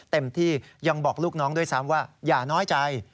เต็มที่ยังบอกลูกน้องด้วยซ้ำว่าอย่าน้อยใจ